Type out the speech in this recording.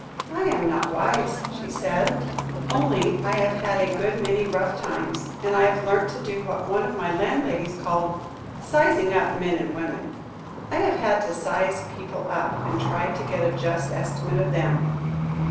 "I am not wise," she said; "only I have had a good many rough times, and I have learnt to do what one of my landladies called, 'sizing up men and women.' I have had to size people up, and try to get a just estimate of them."